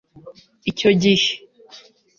icyo gihe